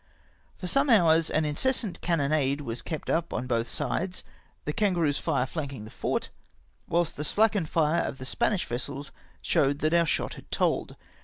For some hours an incessant cannonade was kept up on both sides, the Kangaroo's lire flanldng the fort, whilst the slackened lire of the Spanish vessels showed that our shot had told.